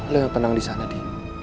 lo yang tenang di sana di